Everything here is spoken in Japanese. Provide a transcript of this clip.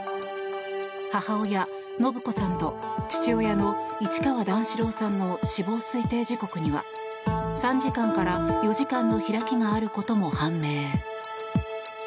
母親・延子さんと父親の市川段四郎さんの死亡推定時刻には３時間から４時間の開きがあることも判明。